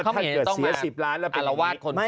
ถ้าเกิดเสีย๑๐ล้านแล้วเป็นอะไร